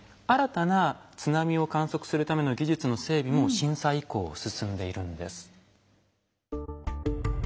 新たな津波を観測するための技術の整備も震災以降進んでいるんです。